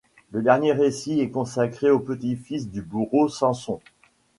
Le dernier récit est consacré au petit-fils du bourreau Sanson.